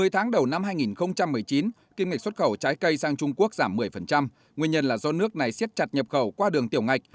một mươi tháng đầu năm hai nghìn một mươi chín kim ngạch xuất khẩu trái cây sang trung quốc giảm một mươi nguyên nhân là do nước này siết chặt nhập khẩu qua đường tiểu ngạch